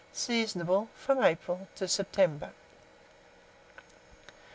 Seasonable from April to September.